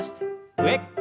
上。